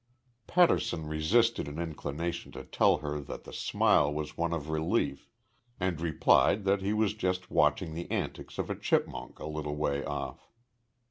Patterson resisted an inclination to tell her that the smile was one of relief and replied that he was just watching the antics of a chipmunk a little way off.